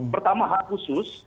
pertama hak khusus